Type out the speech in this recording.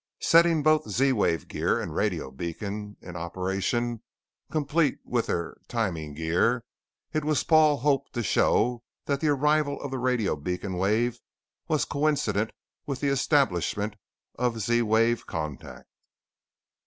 Setting both Z wave gear and radio beacons in operation complete with their timing gear, it was Paul's hope to show that the arrival of the radio beacon wave was coincident with the establishment of Z wave contact.